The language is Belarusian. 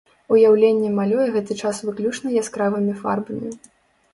Уяўленне малюе гэты час выключна яскравымі фарбамі.